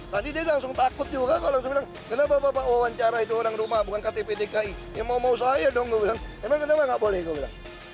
nanti dia langsung takut juga kalau langsung bilang kenapa bapak wawancara itu orang rumah bukan ktp dki ya mau mau saya dong gue bilang emang kenapa nggak boleh kamu bilang